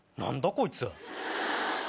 こいつ。